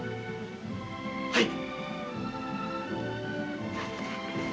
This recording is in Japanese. はい。